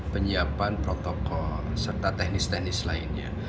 penyiapan protokol serta teknis teknis lainnya